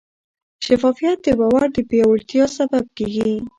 شفافیت د باور د پیاوړتیا سبب کېږي.